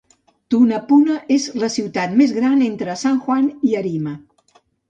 Tunapuna és la ciutat més gran entre San Juan i Arima.